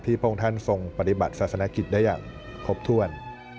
พระองค์ท่านทรงปฏิบัติศาสนกิจได้อย่างครบถ้วน